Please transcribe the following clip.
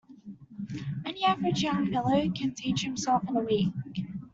Any average young fellow can teach himself in a week.